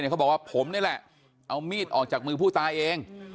เขาบอกว่าผมนี่แหละเอามีดออกจากมือผู้ตายเอง